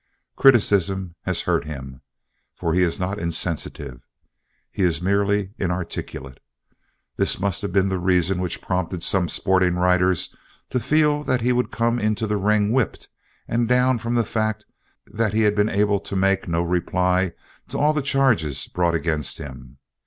Criticism has hurt him, for he is not insensitive. He is merely inarticulate. This must have been the reason which prompted some sporting writers to feel that he would come into the ring whipped and down from the fact that he had been able to make no reply to all the charges brought against him.